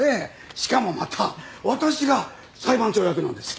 しかもまた私が裁判長役なんですよ。